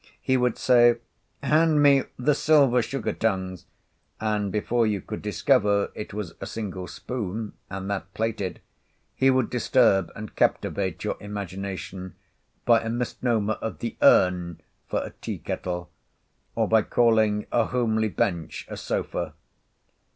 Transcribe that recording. He would say "hand me the silver sugar tongs;" and, before you could discover it was a single spoon, and that plated, he would disturb and captivate your imagination by a misnomer of "the urn" for a tea kettle; or by calling a homely bench a sofa.